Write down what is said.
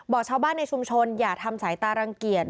ชาวบ้านในชุมชนอย่าทำสายตารังเกียจ